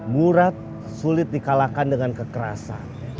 murad sulit dikalahkan dengan kekerasan